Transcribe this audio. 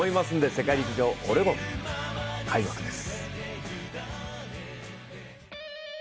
世界陸上オレゴン、開幕です。